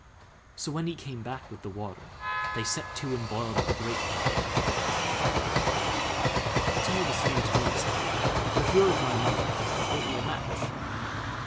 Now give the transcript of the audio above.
So when he came back with the water, they set to and boiled up a great pot of porridge. "It's all the same to me", said the lad; "but if you're of my mind, we'll eat a match!"